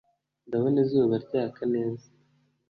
ndabona izuba ryaka neza